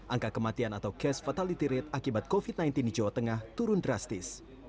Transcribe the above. angka kematian atau case fatality rate akibat covid sembilan belas di jawa tengah turun drastis